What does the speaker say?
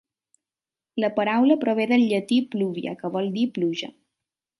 La paraula prové del llatí "pluvia", que vol dir "pluja".